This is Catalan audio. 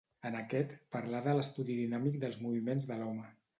En aquest, parlà de l'estudi dinàmic dels moviments de l'home.